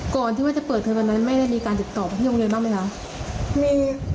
ค่ะ